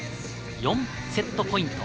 ４セットポイント。